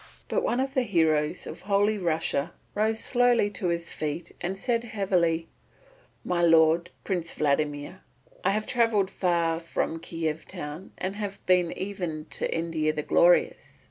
But one of the heroes of Holy Russia rose slowly to his feet and said heavily: "My lord, Prince Vladimir, I have travelled far from Kiev town and have been even to India the Glorious.